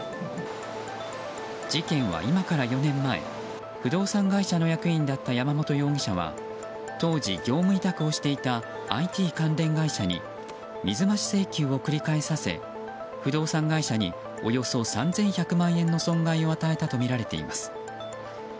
事件は今から４年前不動産会社の役員だった山本容疑者は当時、業務委託をしていたＩＴ関連会社に水増し請求を繰り返させ不動産会社におよそ３１００万円の損害を与えたとみられています。